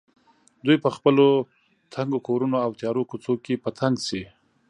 دوی په خپلو تنګو کورونو او تیارو کوڅو کې په تنګ شي.